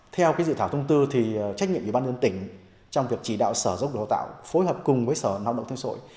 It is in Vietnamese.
theo dự thảo thông tư thì trách nhiệm của ban dân tỉnh trong việc chỉ đạo sở giáo dục đào tạo phối hợp cùng với sở lao động thương sội